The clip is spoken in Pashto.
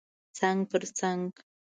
څنګ پر څنګ